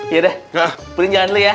yaudah pudin jalan dulu ya